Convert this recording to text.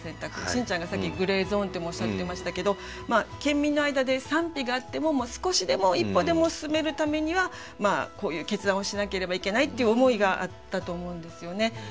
しんちゃんがさっきグレーゾーンともおっしゃってましたけど県民の間で賛否があっても少しでも一歩でも進めるためにはこういう決断をしなければいけないっていう思いがあったと思うんですよね。